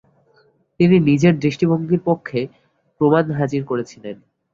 তিনি নিজের দৃষ্টিভঙ্গির পক্ষে প্রমাণ হাজির করেছিলেন।